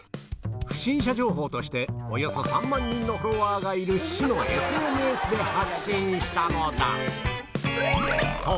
不審者情報としておよそ３万人のフォロワーがいる市のＳＮＳで発信したのだそう